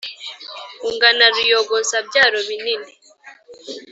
ungana ruyogoza byaro binini